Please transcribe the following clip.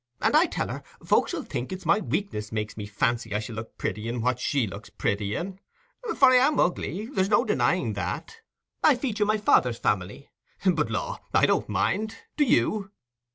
And I tell her, folks 'ull think it's my weakness makes me fancy as I shall look pretty in what she looks pretty in. For I am ugly—there's no denying that: I feature my father's family. But, law! I don't mind, do you?"